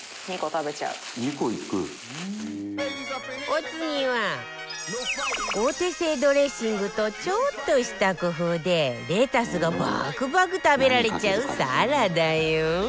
お次はお手製ドレッシングとちょっとした工夫でレタスがばくばく食べられちゃうサラダよ